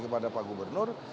kepada pak gubernur